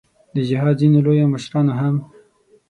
د جهاد ځینو لویو مشرانو هم.